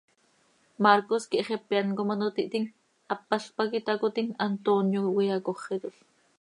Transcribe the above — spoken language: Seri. Marcos quih xepe án com ano tiihtim, hápalc pac itácotim, Antonio quih cöiyacóxetol.